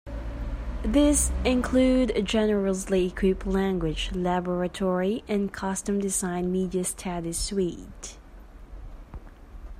These include a generously equipped Language Laboratory and custom-designed Media Studies suite.